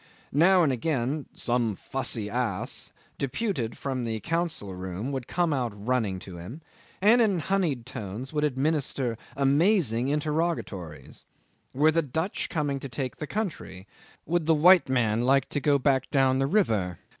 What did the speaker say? Now and again "some fussy ass" deputed from the council room would come out running to him, and in honeyed tones would administer amazing interrogatories: "Were the Dutch coming to take the country? Would the white man like to go back down the river?